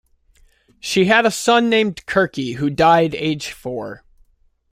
She had a son named Kirkie who died age four.